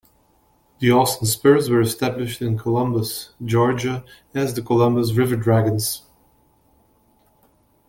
The Austin Spurs were established in Columbus, Georgia as the Columbus Riverdragons.